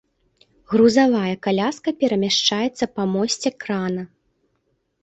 Грузавая каляска перамяшчаецца па мосце крана.